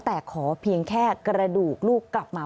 แต่ขอเพียงแค่กระดูกลูกกลับมา